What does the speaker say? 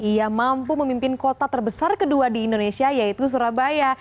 ia mampu memimpin kota terbesar kedua di indonesia yaitu surabaya